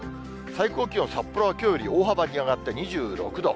最高気温、札幌はきょうより大幅に上がって２６度。